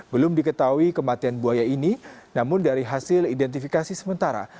belum diketahui kematian buaya ini namun dari hasil identifikasi sementara